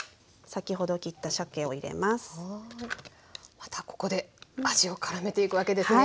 またここで味をからめていくわけですね。